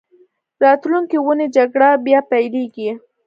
راتلونکې اونۍ جګړه بیا پیلېږي.